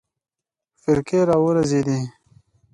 فرقې راوزېږېدې.